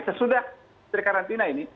sesudah terkarantina ini